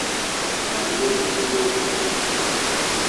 Será mellor que te movas!